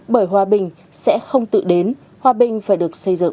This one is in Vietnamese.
bởi hòa bình sẽ không tự đến hòa bình phải được xây dựng